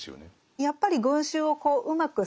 やっぱり群衆をうまく